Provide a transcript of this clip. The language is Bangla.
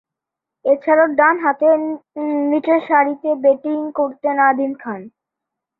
এছাড়াও, ডানহাতে নিচেরসারিতে ব্যাটিং করতেন নাদিম খান।